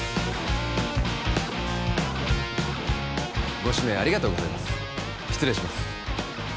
ご指名ありがとうございます失礼します